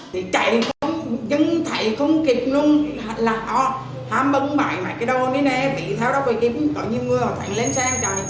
thì chạy nhưng thầy không kịp luôn là họ ham bưng bại mấy cái đồ này nè bị tháo đó quay kiếm có nhiều người họ thẳng lên xe chạy